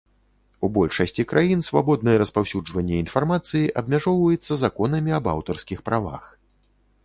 У большасці краін свабоднае распаўсюджванне інфармацыі абмяжоўваецца законамі аб аўтарскіх правах.